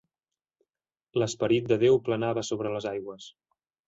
L'esperit de Déu planava sobre les aigües.